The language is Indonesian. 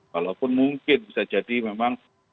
walaupun mungkin bisa jadi memang